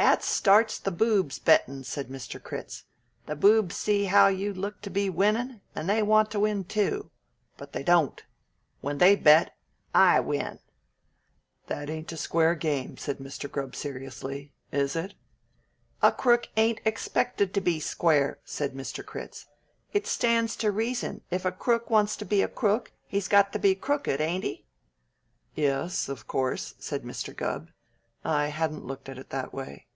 "That starts the boobs bettin'," said Mr. Critz. "The boobs see how you look to be winnin', and they want to win too. But they don't. When they bet, I win." "That ain't a square game," said Mr. Gubb seriously, "is it?" "A crook ain't expected to be square," said Mr. Critz. "It stands to reason, if a crook wants to be a crook, he's got to be crooked, ain't he?" "Yes, of course," said Mr. Gubb. "I hadn't looked at it that way."